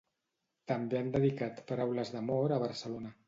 També han dedicat paraules d'amor a Barcelona.